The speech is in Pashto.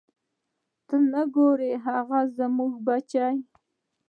ته نه ګورې هغه زموږ بچی.